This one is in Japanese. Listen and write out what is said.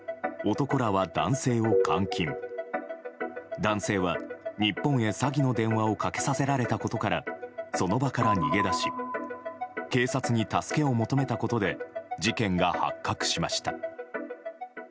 男性は、日本へ詐欺の電話をかけさせられたことからその場から逃げ出し警察に助けを求めたことで事件が発覚しました。